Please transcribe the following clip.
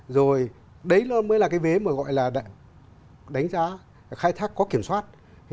rồi đấy nó mới là cái vế mà gọi là đánh giá khai thác có kiểm soát